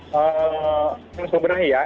terus membenahi ya